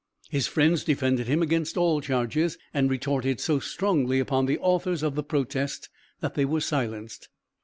His friends defended him against all charges and retorted so strongly upon the authors of the "Protest" that they were silenced.